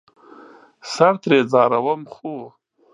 سر ترې ځاروم ،خو